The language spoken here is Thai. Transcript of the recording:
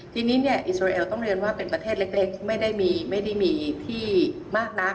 ทีนี้เนี่ยอิสราเอลต้องเรียนว่าเป็นประเทศเล็กไม่ได้มีที่มากนัก